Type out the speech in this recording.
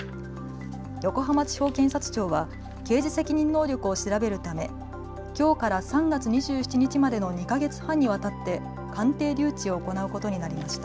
横浜地方検察庁は刑事責任能力を調べるためきょうから３月２７日までの２か月半にわたって鑑定留置を行うことになりました。